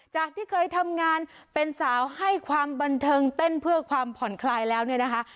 จากที่เคยทำงานเป็นสาวให้ความบันเทิงเต้นเพื่อความผ่อนคลายแล้วเนี่ยนะคะ